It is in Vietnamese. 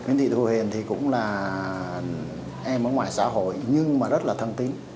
nguyễn thị thu hiền thì cũng là em ở ngoài xã hội nhưng mà rất là thân tính